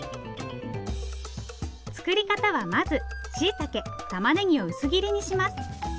作り方はまずしいたけたまねぎを薄切りにします。